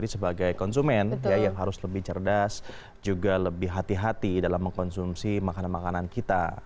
sebagai konsumen yang harus lebih cerdas juga lebih hati hati dalam mengkonsumsi makanan makanan kita